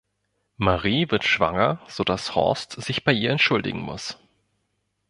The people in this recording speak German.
Marie wird schwanger, sodass Horst sich bei ihr entschuldigen muss.